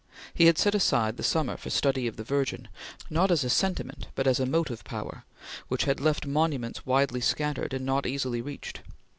He had set aside the summer for study of the Virgin, not as a sentiment but as a motive power, which had left monuments widely scattered and not easily reached.